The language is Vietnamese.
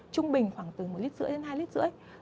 trung bình khoảng từ một lít rưỡi đến hai lít rưỡi